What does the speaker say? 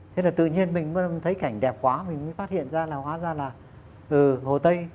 thế là tự nhiên mình mới thấy cảnh đẹp quá mình mới phát hiện ra là hóa ra là từ hồ tây